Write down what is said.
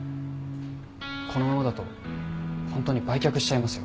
このままだとホントに売却しちゃいますよ。